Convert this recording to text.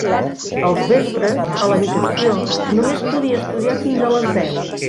Als vespres, a l'habitació, només podia estudiar fins a les deu.